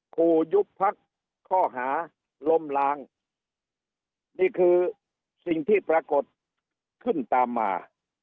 ขู่ยุบพักข้อหาล้มล้างนี่คือสิ่งที่ปรากฏขึ้นตามมา